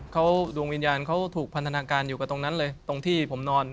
เขาดวงวิญญาณเขาถูกพันธนาการอยู่กับตรงนั้นเลยตรงที่ผมนอน